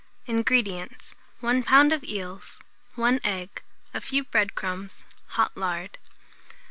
INGREDIENTS. 1 lb. of eels, 1 egg, a few bread crumbs, hot lard.